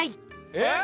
えっ！？